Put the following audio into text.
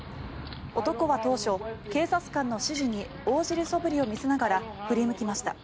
男は当初、警察官の指示に応じるそぶりを見せながら振り向きました。